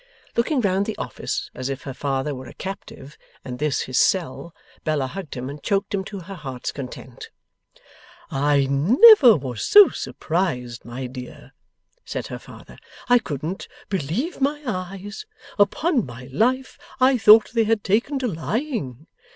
Looking round the office, as if her father were a captive and this his cell, Bella hugged him and choked him to her heart's content. 'I never was so surprised, my dear!' said her father. 'I couldn't believe my eyes. Upon my life, I thought they had taken to lying!